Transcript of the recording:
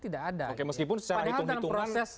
tidak ada meskipun dalam proses